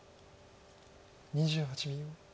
２８秒。